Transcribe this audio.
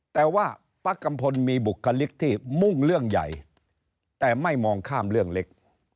แต่ว่าป้ากัมพลมีบุคลิกที่มุ่งเรื่องใหญ่แต่ไม่มองข้ามเรื่องเล็ก